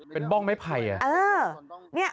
เป็นบ้องไม้ไผ่